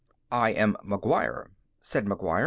"I am McGuire," said McGuire.